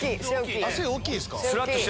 背大きいですか。